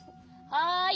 はい。